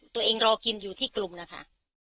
ตัวเองรอกินอยู่ที่กลุ่มนะคะ